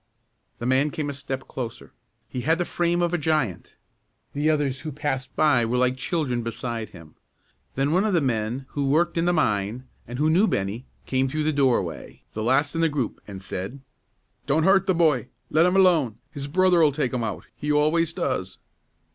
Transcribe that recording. The man came a step closer. He had the frame of a giant. The others who passed by were like children beside him. Then one of the men who worked in the mine, and who knew Bennie, came through the doorway, the last in the group, and said, "Don't hurt the boy; let him alone. His brother'll take him out; he always does."